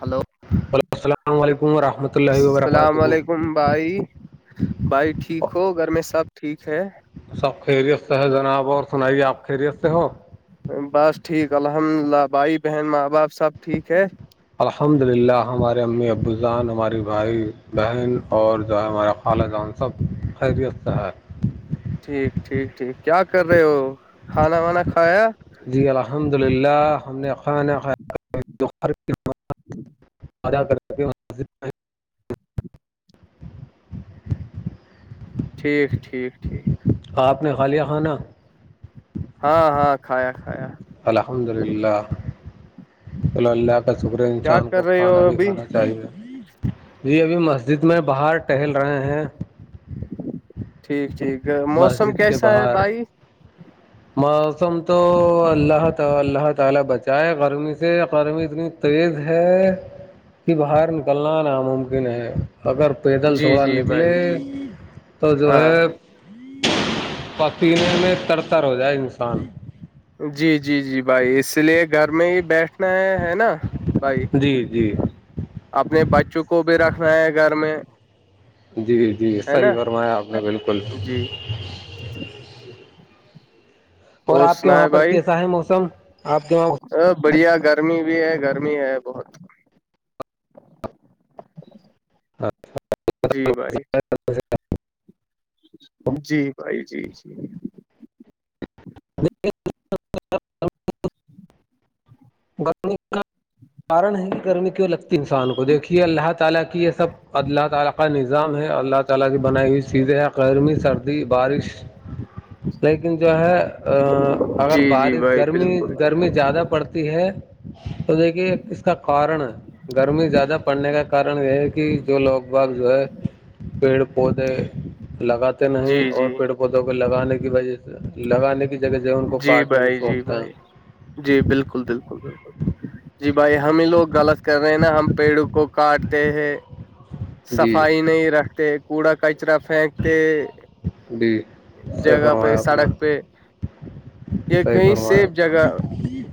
Hello hello السلام علیکم ورحمۃ اللہ وبرکاتہ السلام علیکم بھائی بھائی ٹھیک ہو گھر میں سب ٹھیک ہے سب خیریت سے ہے جناب اور سنائیے آپ خیریت سے ہو بس ٹھیک الحمد اللہ بھائی بہن ماں باپ سب ٹھیک ہے الحمد للہ ہمارے امی ابوزان ہماری بھائی بہن اور جو ہے ہمارا خال جان سب خیریت سے ہے ٹھیک ٹھیک ٹھیک کیا کر رہے ہو کھانا وانا کھایا جی الحمد للہ ہم نے خانا کھا یا ہی اد کر [inaudible] ٹھیک ٹھیک ٹھیک آپ نے کھا لیا کھانا ہاں ہاں کھایا کھایا الحمد للہ چلو اللہ شکرے کیا انسان کر کو رہے ہو کھانا بھی ابھی کھانا چاہیے جی ابھی مسجد میں باہر ٹہل رہے ہیں ٹھیک ٹھیک موسم مسجد کے کیسا ہے باہر بھائی موسم تو اللہہ تعالی اللہہ تعالی بچائے گرمی سے گرمی اتنی تویز ہے کہ باہر نکلنا ناممکن ہے اگر پیدل جی تھوڑا جی نکلے بھائی جی تو جو ہاں ہے پاکی میں تر تر ہو جائے انسان جی جی جی بھائی اس لیے گھر میں ہی بیٹھنا ہے نا بھائی جی جی اپنے بچوں کو بھی رکھنا ہے گھر میں جی جی ہے نا صحیح فرمایا آپ نے بالکل جی اور آپ کے وہاں پر کیسا ہے موسم آپ کےاں ا بڑھیا گرمی بھی ہے گرمی ہے بہت [inaudible] جی بھائی [unintelligible] جی بھائی جی جی [inaudible] گرمی کا کارن ہے گرمی کیوں لگتی انسان کو دیکھیے اللہ تعالی کی یہ سب ا اللہ تعالی کا نظام ہے اللہ تعالی کی بنائی ہوئی چیزیں ہیں گرمی سردی بارش [inaudible] لیکن جو ہے ا اگر جی جی بارش بھائی گرمی بالکل گرمی زیادہ پڑتی ہے تو دیکھیے اس کا کارن ہے گرمی زیادہ پڑنے کا کارن یہ ہے کہ جو لوگ باغ جو ہے پیڑ پودے لگاتار جی نہیں جی اور پیڑ پودوں کو لگانے کی وجہ سے لگانے کی جگہ سے ان کو جی کاٹنے کی بھائی جی سوچتے ہیں بھائی جی بالکل بالکل بالکل جی بھائی ہمیں لوگ غلط کر رہے ہیں نا ہم پیڑوں کو کاٹتے ہیں جی صفائی نہیں رکھتے کوڑا کچرا پھینکتے جی صحیح جگہ پہ فرمایا آپ نے سڑک پہ صحیح کہیں فرمایا سیف آپ نے۔ جگہ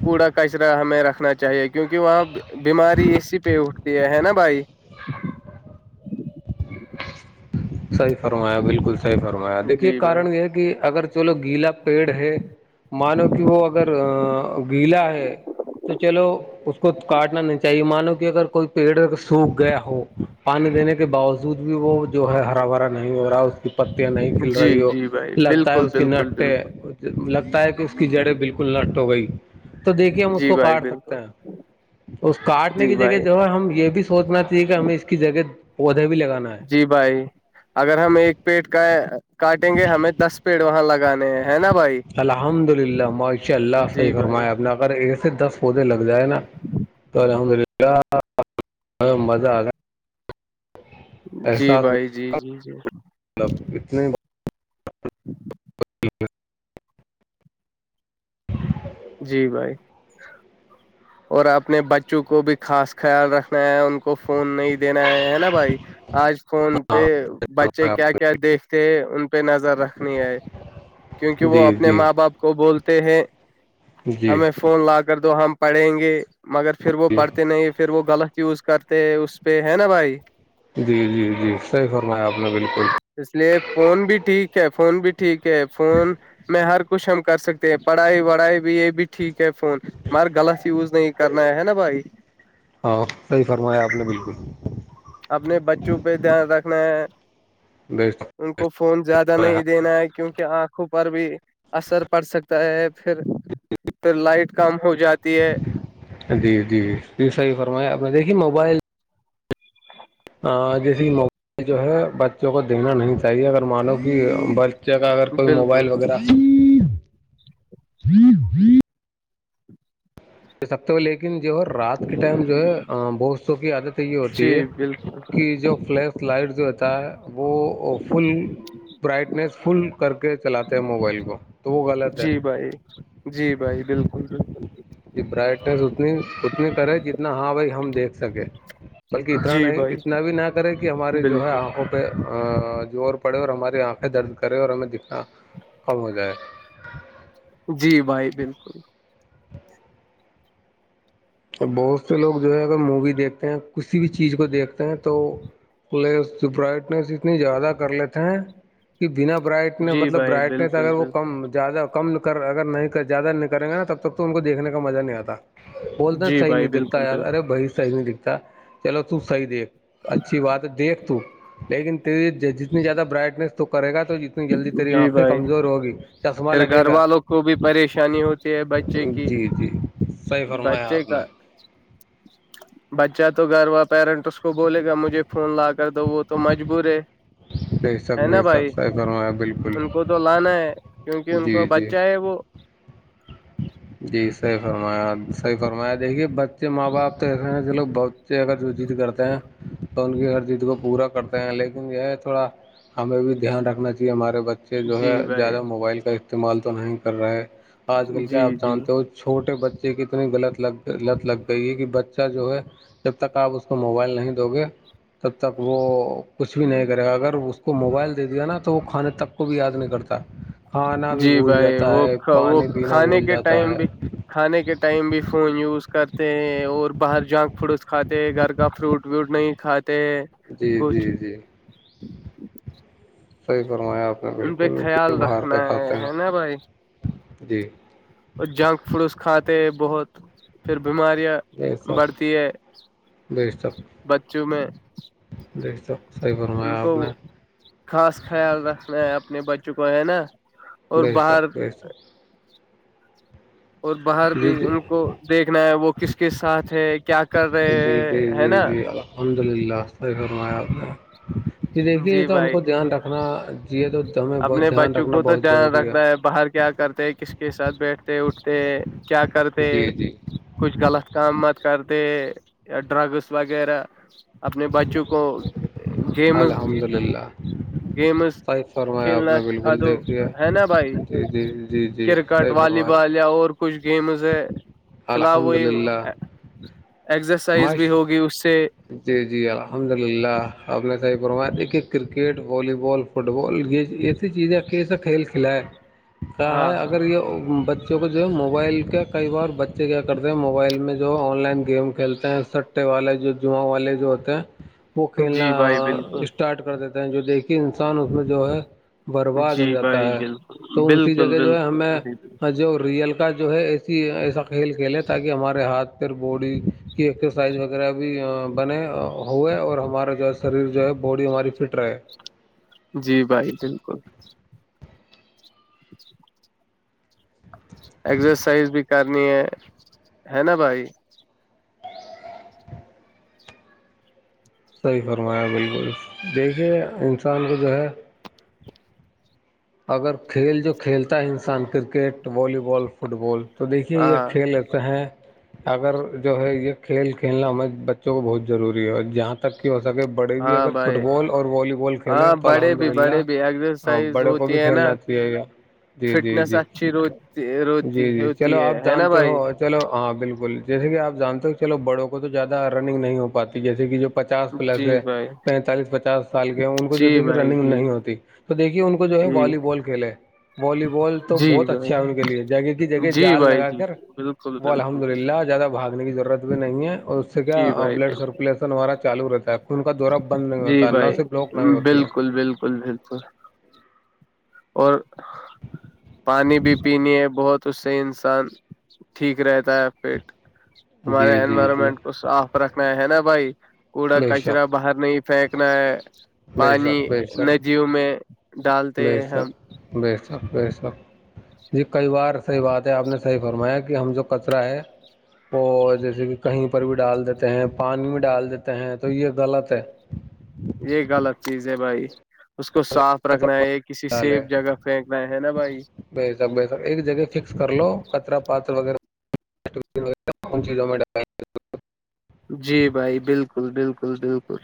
کوڑا کچرا ہمیں رکھنا چاہیے کیونکہ وہاں بیماری اسی پہ اٹھتی ہے نا بھائی صحی فرمایا بالکل صحی فرمایا دیکھیے جی بھائی کن یہ ہے کہ اگر چلو گیلا پیڑ ہے مانو کہ وہ اگر گیلا ہے تو چلو اس کو کاٹنا نہیں چاہیے مانو کہ اگر کوئی پیڑ سوکھ گیا ہو پانی دینے کے با وجود بھی وہ جو ہے ہرا بھرا نہیں ہو رہا پتیاں نہیں کھل جی رہی ہو جی بھائی لگتا ہے بالکل اس کی بالکل بالکل نٹیں لگتا ہے کہ اس کی جڑیں بالکل کللہٹو گئی تو دیکھیے ہم اس جی کو بھائی کاٹ سکتے بالکل ہیں اس کاٹنے جی کی جگہ بھائی جو ہے ہم یہ بھی سوچنا چاہے کہ ہمیں اس کی جگہ پودے بھی لگانا ہے جی بھائی اگر ہم ایک پیٹ کا کاٹیں گے ہمیں دس پیڑ وہاں لگانے ہے نا بھائی الحمد للہ معاشا اللہ سے جی بھائی فرمایا آپ نے اگر ایسے دس پودے لگ جائے نا تو الحمد للہ مزہ آ گیا جی بھائی جی جی جی مطلب اتنے ہی جی بھائی اور اپنے بچوں کو بھی خاص خیال رکھنا ہے ان کو فون نہیں دینا ہے ہے نا بھائی آج فون پہ بچے کیا کیا دیکھتے ہیں ان پہ نظر رکھنی ہے کیونکہ وہ جی اپنے جی ماں باپ کو بولتے ہیں جی ہمیں فون لا کر دو ہم پڑھیں گے مگر پھر وہ پڑھتے نہیں پھر وہ غلط چوز کرتے اس پہ ہے نا بھائی جی جی جی صحیح فرمایا ہے آپ نے بالکل اس لیے فون بھی ٹھیک ہے فون بھی ٹھیک ہے فون میں ہر کچھ ہم کر سکتے ہیں پڑھائی وڑھائی بھی یہ بھی ٹھیک ہے فون مار غلط یوز نہیں کرنا ہے ہے نا بھائی ہاں صحیح فرمایا آپ نے بالکل اپنے بچوں پہ دھیان رکھنا ہے [unintelligible] ان کو فون زیادہ فرمایا نہیں دینا ہے کیونکہ آنکھوں پر بھی اثر پڑ سکتا ہے پھر پھر لائٹ کم ہو جاتی ہے جی جی جی صحیح فرمایا آپ نے دیکھی موبائل جیسے موبائل جو ہے بچوں کو دیکھنا نہیں چاہیے اگر مانو کہ جگہ اگر کوئی بالکل موبائل وغیرہ [unintelligible] د سکتے ہو لیکن جو ہے رات کے ٹائم جو ہے بستوں کی عادت یہ ہوتی جی ہے بالکل کہ جو فلیش لائٹ جو ہوتا ہے وہ فل برائٹنیس فل کر کے چلاتے ہیں موبائل کو تو وہ غلط ہے جی بھائی جان جی بھائی بالکل بالکل ج برائٹنیس اتنی اتنی کرے جتنا ہاں بھائی ہم دیکھ سکے بلکہ اتنا جی نہیں بھائی اتنا بھی نہ کرے کہ ہمارے جو ہے بالکل آنکھوں زور پڑے اور ہماری آنکھیں درد کرے اور ہمیں دکھنا کم ہو جائے جی بھائی بالکل اور بہت سے لوگ جو ہے اگر مووی دیکھتے ہیں کسی بھی چیز کو دیکھتے ہیں تو پ برائٹنیس اتنی زیادہ کر لیتے ہیں بنا برائٹ جی مطلب بھائی برائٹنیس بالکل اگر وہ کم بالکل زیادہ کم کر اگر نہیں زیادہ نہیں کریں گے نا تب تک تو ان کو دیکھنے کا مزہ نہیں آتا بولنا جی صحیح نہیں بھائی دیتا بالکل یار ارے بالکل بھائی صحیح نہیں دکھتا چلو تو صحیح دیکھ اچھی بات ہے دیکھ تو لیکن جتنی زیادہ برائٹنیس تو کرے گا تو جلدی تیری جی آنکھیں بھائی کمزور ہوگی چشمہ پھر لگے گھر گا والوں کو بھی پریشانی ہوتی بچے کی جی جی صحیح فرمایا بچے آپ نے [unintelligible] بچہ تو گھروا پیرنٹ اس کو بولے گا مجھے فون لا کر تو وہ تو مجبور ہے [inaudible] بے شک ہے بے نا شک بھائی سر بالکل ان کو تو لانا ہے کیونکہ ان جی کا جی بچہ ہے وہ جی صحیح فرمایاحی فرمایا دیکھیے بچے ماں باپ تو ایسے ہیں ج لوگ بہت اگر جو ضد کرتے ہیں تو ان کی ہر ضد کو پورا کرتے ہیں لیکن یہ تھوڑا ہمیں بھی دھیان رکھنا چاہیے ہمارے بچے جو ہے جی بھائی زیادہ موبائل کا استعمال تو نہیں کر رہا ہے آج کل جی کیا اب جی چھوٹے بچے کی اتنی لط لگ لط لگ گئی ہے کہ بچہ جو ہے جب تک آپ اس کو موبائل نہیں دو گے تب تک وہ کچھ بھی نہیں کرے گا اگر اس کو موبائل دے دیا نا تو وہ کھانے تک کو بھی یاد نہیں کرتا کھانا بھی جی بھول بھائی جاتا وہ ہے وہ پانی پینا کھانے بھول کے جاتا ٹائم ہے بھی کھانے کے ٹائم بھی فون یوز کرتے ہیں اور باہر جنک فوڈس کھاتے ہیں گھر کا فروٹ ووٹ نہیں کھاتے ہے جی جی جی صحیح فرمایا آپ ہاں ان پہ بالکل کی خیال باہر رکھنا کا ہے کھاتے ہیں ہے نا بھائی جی اور جنک فوس کھاتے بہت پھر بیماریاں بے شک بڑھتی ہے بچوں میں دیکھ س صحیح فرمایا ان آپ کو نے خاص خیال رکھنا ہے اپنے بچوں کو ہے نا اور بیسا باہر ویسا اور باہر بھی جی جی ان کو دیکھنا ہے وہ کس کس ساتھ ہے کیا کر رہے جی جی ہیں ہے جی نا جی الحمد للہ ص فرمایا آپ نے یہ دیکھیے یہ جی تو ہم بھائی کو دھیان رکھنا یہ تو ہمیں اپنے دھیان بچوں رکھنا کو تو بہت دھیان ضروری ہے رکھنا باہر کیا کرتے کس کے ساتھ بیٹھتے اٹھتے کیا کرتے جی جی کچھ غلط کام مت کرتے ہیں یا ڈرگس وغیرہ اپنے بچوں کو [unintelligible] ہاں الحمد للہ گیمز صحیح فرمایا آپ کھیلنا نے کھاد بالکل دو دیکھیے ہے نا بھائی جی جی جی جی کرکٹ صحیح والی فرمایا آپ نے۔ بال یا اور کچھ گیمز ہے کلاف الحمد وہی للہ ایکزرسائز بھی ماش ہوگی اس سے جی جی الحمد للہ آپ نے صحیح فرمایا دیکھیے کرکٹ والی بال فٹ بال گی ایسے چیزیںسا کھیل کھیلا ہے عغ کہ اگر یہ بچوں کو جو ہے موبائل کے کئی بار بچے کیا کرتے ہیں موبائل میں جو آن لائن گیم کھیلتے ہیں سٹ والے جو جا والے جو ہوتے ہیں وہ کھیلنا جی بھائی بالکل اسٹارٹ کر دیتے جو دیکھیے انسان اس میں جو ہے برباد ہو جی جاتا بھائی ہے بالکل تو انسی بالکل جگہ جو ہے ہمیں بالکل جو ریئل کا جو ہے ایسی ایسا کھیل کھیلے تاکہ ہمارے ہاتھ پ بوڈی کی ایکسرسائز وغیرہ بھی بنے ہوئے اور ہمارا جو ہے شریر جو ہے باڈی ہماری فٹ رہے جی بھائی بالکل ازرسائز بھی کرنی ہے ہے نا بھائی صحیح فرمایا بالکل دیکھیے انسان کو جو ہے اگر کھیل جو کھیلتا ہے انسان کرکٹ والی بال فٹ بال تو دیکھیے یہ ہاں کھیل رہتا ہے اگر جو ہے یہ کھیل کھیلنا ہمیں بچوں کو بہت ضروری ہے اور جہاں تک کی ہو سکے بڑے بھی ہاں اگر فٹ بھائی بال اور والی بال کھیلے ہاں تو بڑے الحمد بھی بڑے بھی للہ ایکسرسائز بڑے کو بھی ہوتی ہے نا کھیلنا چ ہے کیا جی جی فٹنس جی اچھی روتی روتی جی جی ہوتی چلو ہے آپ ہے نا جانتے بھائی ہو چلو ہاں بالکل جیسے کہ آپ جانتے ہو چلو بڑوں کو تو زیادہ رننگ نہیں ہو پاتی جیسے کہ جو پچاس پلس جی ہے بھائی پینتالیس پچاس سال کے ان کو جو جی دیکھیے بھائی رننگ جی نہیں ہوتی تو دیکھیے ان کو جو ہے جی والی بال کھیلے والی بال تو جی بہت بھائی اچھا ہے ان کے لیے جگہ کی جگہ جی جال بھائی لگا جی کر بالکل وہ بالکل الحمد للہ زیادہ بھاگنے کی ضرورت بھی نہیں ہے اور اس سے کیا جی بھائی بلڈ سرکولیٹ نا چالو رہتا ہے خون کا دورہ بند نہیں جی ہوتا ہے نہ بھائی صرف لوک نہیں ہوتی ہے بالکل بالکل بالکل [unintelligible] اور پانی بھی پین ہے بہت تو اس سے انسان ٹھیک رہتا ہے پیٹ جی ہمارے جی جی انوائرمنٹ کو صاف رکھنا ہے ہے نا بھائی کوڑا بے شک کچرا باہر نہیں پھینکنا ہے بے پانی شک بے شک ندیوں میں ڈالتے ہیں ہم بسخ بسخ جی کئی بار صحی بات ہے آپ نے صحیح فرمایا کہ ہم جو کچرا ہے وہ جیسے کہ کہیں پر بھی ڈال دیتے ہیں پانی بھی ڈال دیتے ہیں تو یہ غلط ہے یہ غلط چیز ہے بھائی اس کو صاف رکھنا ہے کسی ڈال سیف ہے جگہ پھینکنا ہے نا بھائی بے شک بے شک ایک جگہ فکس کر لو کچرا پات وغیرہ [unintelligible] کون چیزوں میں جی بھائی بالکل بالکل بالکل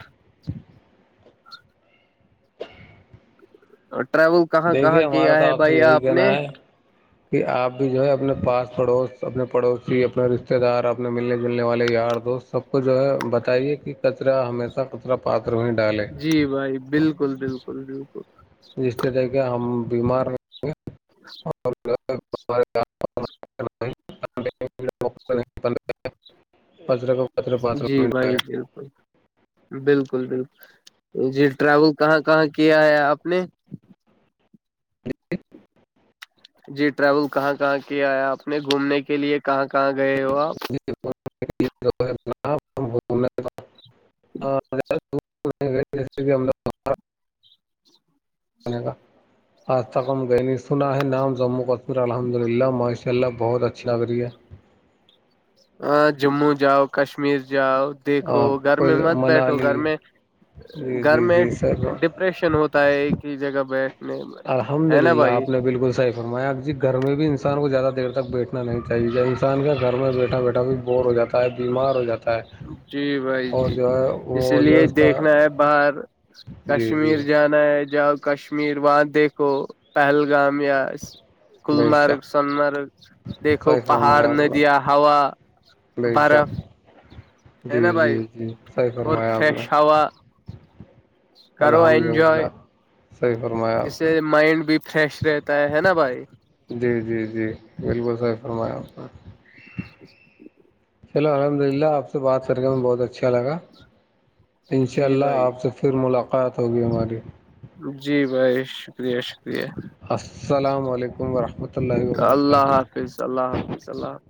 اور ٹریول کہاں کہاں دیکھیے ہمارا کیا تو ہے سے بھائی یہی آپ نے کہنا ہے کہ آپ بھی جو ہے اپنے پاس پڑوس اپنے پڑوسی اپنے رشتے دار اپنے ملنے جلنے والے یار دوست سب کو زرا بتائیے کہ کچرا ہمیں کتا کترا پاتر میں ڈالے جی بھائی بالکل بالکل [unintelligible] جس طح کہ ہم بیمار رہ گے اور [unintelligible] [unintelligible] جی بھائی بالکل بالکل بالکل جی ٹریول کہاں کہاں کیا ہے آپ نے [inaudible] جی ٹریول کہاں کہاں کیا ہے آپ نے گھومنے کے لیے کہاں کہاں گئے ہو آپ [unintelligible] [unintelligible] آج تک ہم گ نے سنا ہے نام جموں کشمیر الحمد للہ ماشاءاللہ [unintelligible] ہاں جموں جاؤ کشمیر جاؤ دیکھو آپ گھر کو میں مت بیٹھو گھر منالی میں جی گھر جی میں جی سر ڈپریشن ہوتا ہے ایک ہی جگہ پہ الحمد للہ آپ نے بالکل صح میک جی گھر میں بھی انسان کو زیادہ دیر تک بیٹھنا نہیں چاہیے جب انسان کا گھر میں بیٹھا بیٹھا بھی بور ہو جاتا ہے ہے بیمار ہو جاتا ہے جی بھائی اور جی جو جی ہے اسی وہ جو ہے لیے اس کا دیکھنا ہے باہر جی جی کشمیر جانا ہے جاؤ کشمیر وہاں دیکھو پہلگام یا بے گللمارگ شک سنمارگ دیکھو صحیح پہاڑ فرمایا آپ نے ندیاں ہوا بے شک برف ہے جی نا جی بھائی جی صحیح اور فرمایا آپ نے [unintelligible] کرو الحمد انجوائے للہ صحیح فرمایا اس آپ سے نے مائنڈ بھی فریش رہتا ہے نا بھائی جی جی جی بالکل صحیح فرمایا آپ نے [inaudible] ہیلو الحمد للہ آپ سے بات کرنے میں بہت اچھا لگا انشاء جی اللہ بھائی آپ سے پھر ملاقات ہوگی ہماری جی بھائی شکریہ شکریہ السلام علیکم ورحمۃ اللہ تو اللہ وبرکاتہ حافظ اللہ حافظ اللہ حافظ